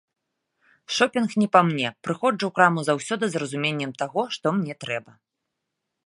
Шопінг не па мне, прыходжу ў краму заўсёды з разуменнем таго, што мне трэба.